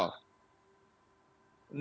enam lembar polis